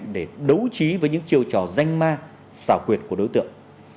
để đấu trí với những chiêu trò danh ma xảo quyệt của đối tượng